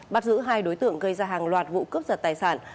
bắt giữ hai đối tượng gây ra hàng loạt vụ cướp giật tài sản